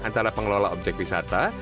antara pengelola objek wisata